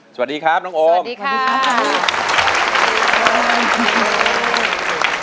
สวัสดีครับน้องโอมสวัสดีครับสวัสดีครับ